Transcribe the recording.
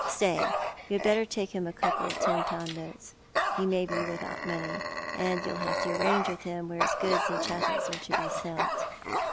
Stay, you had better take him a couple of ten pound notes. He may be without money, and you'll have to arrange with him where his goods and chattels are to be sent.